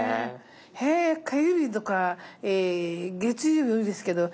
へえ火曜日とか月曜日多いですけど